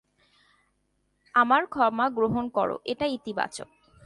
আমার ক্ষমা গ্রহন করো, এটা ইতিবাচক।